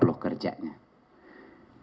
dia bisa menambah penambahan